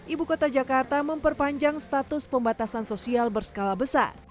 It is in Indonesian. ibu kota jakarta memperpanjang status pembatasan sosial berskala besar